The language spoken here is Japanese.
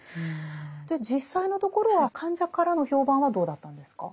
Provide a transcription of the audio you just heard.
で実際のところは患者からの評判はどうだったんですか。